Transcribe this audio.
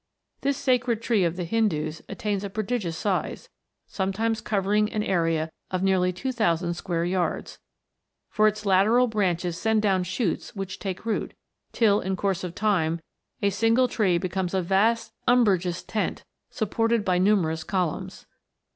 This sacred tree of the Hindoos attains a prodigious size, sometimes covering an area of nearly 2000 square yards, for its lateral branches 240 WONDERFUL PLANTS. send down shoots which take root, till, in course of time, a single tree becomes a vast umbrageous tent, supported by numerous columns.